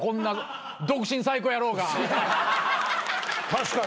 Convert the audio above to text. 確かに。